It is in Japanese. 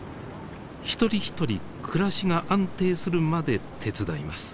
一人一人暮らしが安定するまで手伝います。